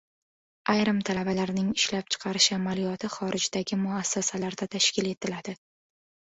Ayrim talabalarning ishlab chiqarish amaliyoti xorijdagi muassasalarda tashkil etiladi